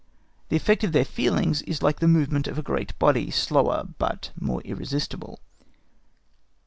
The effect of their feelings is like the movement of a great body, slower, but more irresistible.